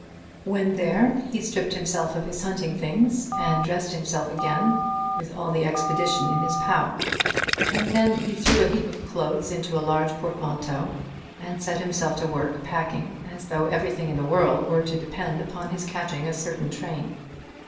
When there he stripped himself of his hunting things, and dressed himself again with all the expedition in his power; and then he threw a heap of clothes into a large portmanteau, and set himself to work packing as though everything in the world were to depend upon his catching a certain train.